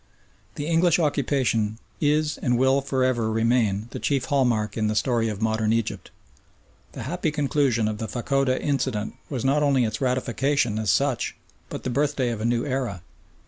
The English occupation is and will for ever remain the chief landmark in the story of modern Egypt. The happy conclusion of the Fachoda incident was not only its ratification as such but the birthday of a new era.